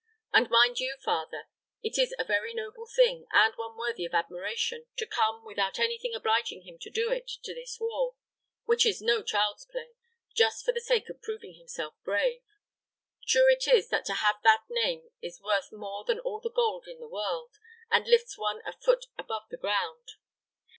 And mind you, father, it is a very noble thing, and one worthy of admiration, to come, without anything obliging him to it, to this war, which is no child's play, just for the sake of proving himself brave. True it is that to have that name is worth more than all the gold in the world, and lifts one a foot above the ground.